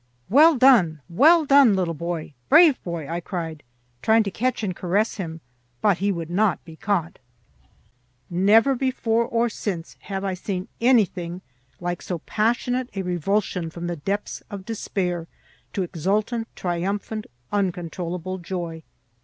"Well done, well done, little boy! Brave boy!" I cried, trying to catch and caress him; but he would not be caught. Never before or since have I seen anything like so passionate a revulsion from the depths of despair to exultant, triumphant, uncontrollable joy.